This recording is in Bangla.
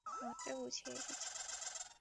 মাত্র গুছিয়ে এসেছি।